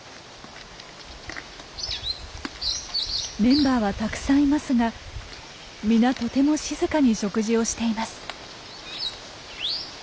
メンバーはたくさんいますが皆とても静かに食事をしています。